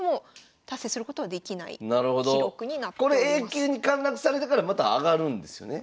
Ａ級に陥落されてからまた上がるんですよね？